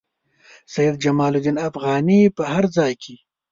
سید جمال الدین افغاني په هر ځای کې.